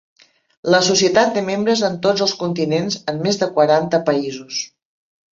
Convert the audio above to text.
La Societat té membres en tots els continents, en més de quaranta països.